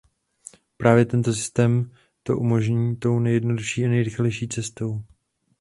Právě tento systém to umožní tou nejjednodušší a nejrychlejší cestou.